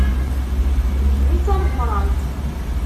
D kemm i d tameqqrant.